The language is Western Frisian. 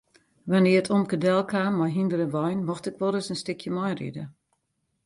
Wannear't omke delkaam mei hynder en wein mocht ik wolris in stikje meiride.